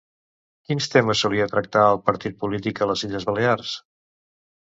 Quins temes solia tractar el partit polític a les Illes Balears?